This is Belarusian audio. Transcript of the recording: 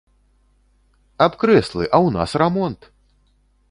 Аб крэслы, а ў нас рамонт!